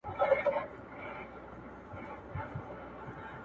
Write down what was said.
وارخطايي، سرګرداني، بې خوبي او یو ډول بوج دی